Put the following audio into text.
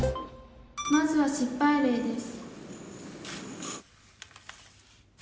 「まずは失敗例です」。